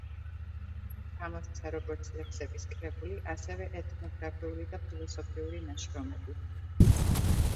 გამოსცა, როგორც ლექსების კრებული, ასევე ეთნოგრაფიული და ფილოსოფიური ნაშრომები.